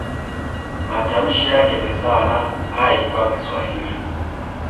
Matamshi yake ni sawa na "i" kwa Kiswahili.